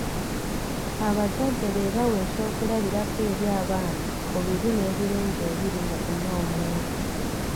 Abazadde be bawa eky'okulabirako eri abaana ku bibi n'ebirungi ebiri mu kunywa omwenge.